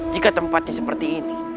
jika tempatnya seperti ini